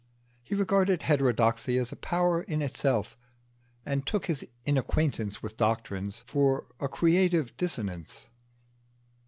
He regarded heterodoxy as a power in itself, and took his inacquaintance with doctrines for a creative dissidence.